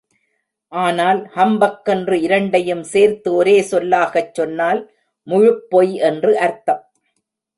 ஆனால், ஹம்பக் என்று இரண்டையும் சேர்த்து ஒரே சொல்லாகச் சொன்னால் முழுப்பொய் என்று அர்த்தம்.